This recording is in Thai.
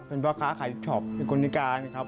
เป็นพ่อค้าขายช็อปเป็นคนนิกานะครับ